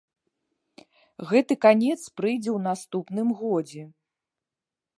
Гэты канец прыйдзе ў наступным годзе.